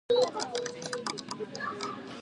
Ms. Geri Rodman is the current president.